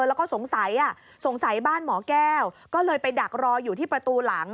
แล้วก็สงสัยสงสัยบ้านหมอแก้วก็เลยไปดักรออยู่ที่ประตูหลัง